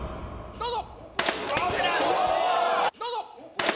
どうぞ！